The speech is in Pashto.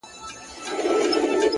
رندان سنګسار ته یوسي دوی خُمونه تښتوي.!